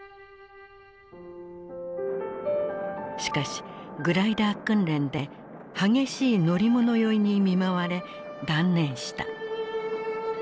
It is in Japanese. しかしグライダー訓練で激しい乗り物酔いに見舞われ断念した。